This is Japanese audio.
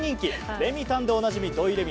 レミたんでおなじみ土井レミイ